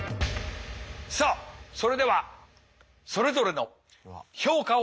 さあそれではそれぞれの評価を下しましょう。